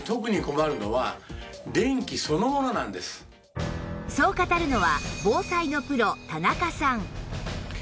そう語るのは防災のプロ田中さん